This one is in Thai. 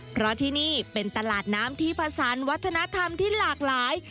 เพราะที่นี่เป็นตลาดน้ำที่ผสานวัฒนธรรมที่หลากหลาย